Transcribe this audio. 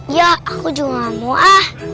iya aku juga nggak mau ah